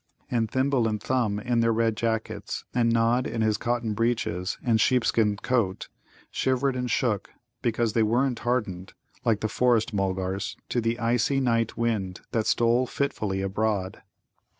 And Thimble and Thumb in their red jackets, and Nod in his cotton breeches and sheepskin coat, shivered and shook, because they weren't hardened, like the Forest mulgars, to the icy night wind that stole fitfully abroad.